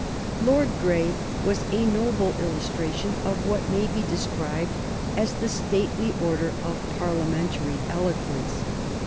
Lord Grey was a noble illustration of what may be described as the stately order of Parliamentary eloquence.